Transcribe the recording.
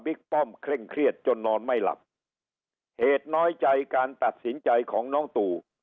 ป้อมเคร่งเครียดจนนอนไม่หลับเหตุน้อยใจการตัดสินใจของน้องตู่